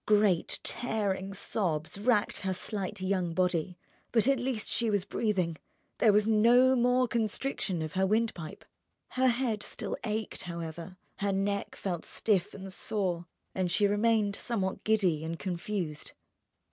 Great, tearing sobs racked her slight young body—but at least she was breathing, there was no more constriction of her windpipe; Her head still ached, however, her neck felt stiff and sore, and she remained somewhat giddy and confused.